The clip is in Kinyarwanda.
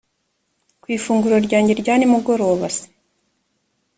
ku ifunguro ryanjye rya nimugoroba c